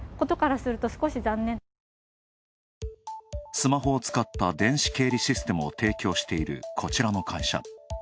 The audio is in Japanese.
スマホを使った電子経理システムを提供しているこちらの会社。